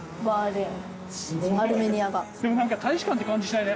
でもなんか大使館って感じしないね。